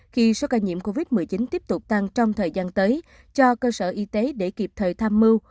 khi số ca nhiễm covid một mươi chín tiếp tục tăng trong thời gian tới cho cơ sở y tế để kịp thời tham mưu